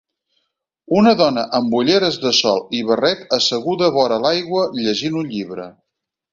Una dona amb ulleres de sol i barret asseguda vora l'aigua llegint un llibre.